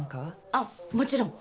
あっもちろん。